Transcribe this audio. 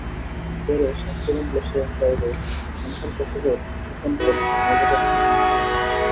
পরে স্বাস্থ্য কমপ্লেক্সের বাইরে সন্তান প্রসবের কিছুক্ষণ পরই নবজাতকের মৃত্যু হয়।